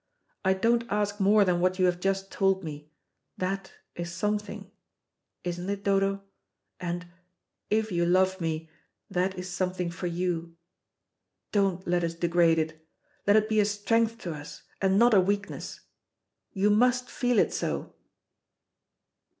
I don't ask more than what you have just told me. That is something isn't it, Dodo? And, if you love me, that is something for you. Don't let us degrade it, let it be a strength to us and not a weakness. You must feel it so."